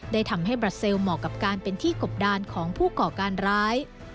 ได้ทำให้บราเซลเหมาะกับการเป็นที่กบดานของผู้ก่อการร้าย